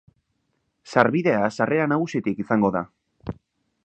Sarbidea sarrera nagusitik izango da.